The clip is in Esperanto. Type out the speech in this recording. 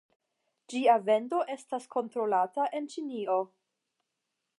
Ĝia vendo estas kontrolata en Ĉinio.